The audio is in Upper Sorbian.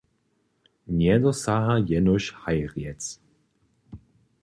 Njedosaha jenož haj rjec.